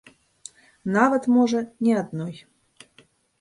Нават, можа, не адной.